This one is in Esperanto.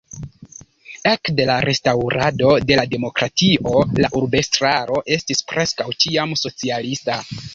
Ekde la restaŭrado de la demokratio la urbestraro estis preskaŭ ĉiam socialista.